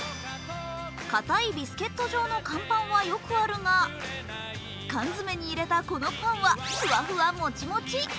かたいビスケット状の乾パンはよくあるが缶詰に入れたこのパンはふわふわ、もちもち。